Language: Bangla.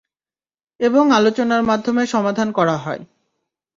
এবং আলোচনার মাধ্যমে সমাধান করা হয়।